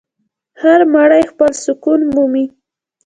هر مړی خپل سکون مومي.